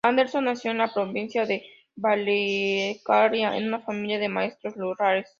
Andersson nació en la provincia de Dalecarlia en una familia de maestros rurales.